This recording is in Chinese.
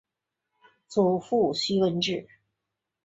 祖父徐文质。